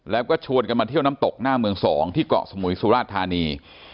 แล้วก็ชวนกันมาเที่ยวน้ำตกหน้าเมือง๒ที่เกาะสมุยสุราชธานี